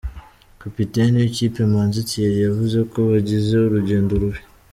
Kapiteni w’ikipe Manzi Thierry yavuze ko bagize urugendo rubi.